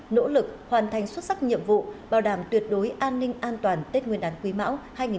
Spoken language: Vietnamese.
nỗ lực hoàn thành xuất sắc nhiệm vụ bảo đảm tuyệt đối an ninh an toàn tết nguyên đán quý mão hai nghìn hai mươi bốn